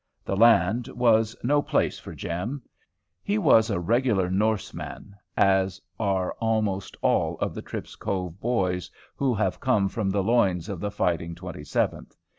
The land was no place for Jem. He was a regular Norse man, as are almost all of the Tripp's Cove boys who have come from the loins of the "Fighting Twenty seventh."